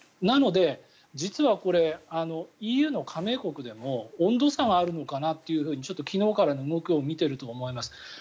なので、実はこれＥＵの加盟国でも温度差があるのかなと昨日からの動きを見ていると思います。